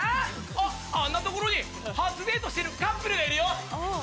あっあんなところに初デートしてるカップルがいるよ！